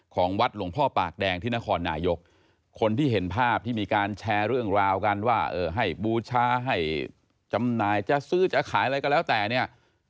ของวัดหลวงพ่อปากแดงที่นครนายกคนที่เห็นภาพที่มีการแชร์เรื่องราวกันว่าเออให้บูชาให้จำหน่ายจะซื้อจะขายอะไรก็แล้วแต่เนี่ย